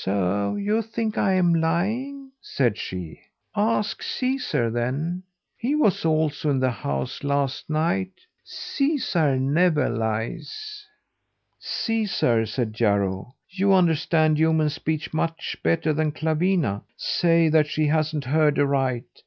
"So you think I'm lying," said she. "Ask Caesar, then! He was also in the house last night. Caesar never lies." "Caesar," said Jarro, "you understand human speech much better than Clawina. Say that she hasn't heard aright!